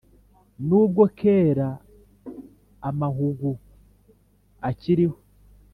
N'ubwo kera amahugu akiriho